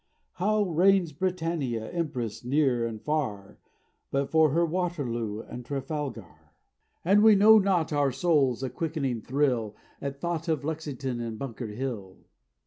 How reigns Britannia, Empress near and far, But for her Waterloo and Trafalgar? "And we, know not our souls a quickening thrill At thought of Lexington and Bunker Hill?